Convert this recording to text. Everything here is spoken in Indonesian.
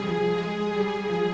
aku mau ke sana